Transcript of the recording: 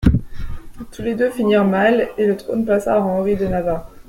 Tous les deux finirent mal, et le trône passa à Henri de Navarre.